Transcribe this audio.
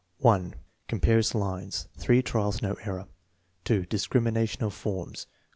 1. Compares lines. (3 trials, no error.) 2. Discrimination of forms.